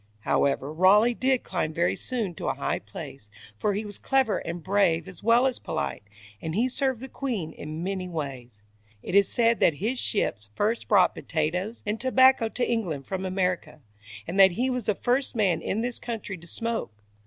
However, Raleigh did climb very soon to a high place, for he was clever and brave as well as polite, and he served the queen in many ways. It is said that his ships first brought potatoes and tobacco to England from America, and that he was the first man in this country to smoke.